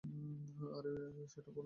আর আগে সেটা বল নি?